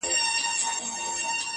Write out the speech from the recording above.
o او له سترگو يې څو سپيني مرغلري ـ